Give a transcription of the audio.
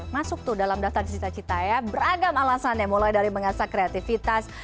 masuk tuh dalam daftar cita cita ya beragam alasan ya mulai dari mengasah kreativitas